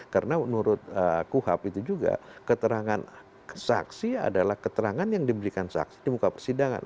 karena menurut kuhap itu juga keterangan saksi adalah keterangan yang diberikan saksi di muka persidangan